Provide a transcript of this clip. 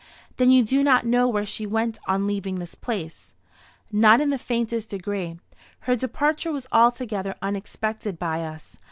"Then you do not know where she went on leaving this place?" "Not in the faintest degree. Her departure was altogether unexpected by us.